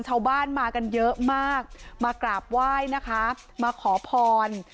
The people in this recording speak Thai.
ชาวบ้านมากันเยอะมากมากราบไหว้นะคะมาขอพร